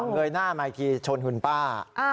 เงยหน้าหมายถึงชนคุณป้า